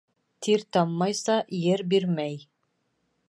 Тир таммайса, ер бирмәй.